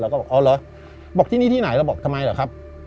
ก็บอกอ๋อเหรอบอกที่นี่ที่ไหนเราบอกทำไมเหรอครับ